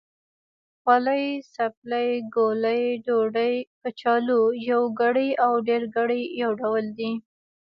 خولۍ، څپلۍ، ګولۍ، ډوډۍ، کچالو... يوګړی او ډېرګړي يو ډول دی.